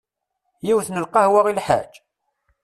Yiwet n lqahwa i lḥaǧ?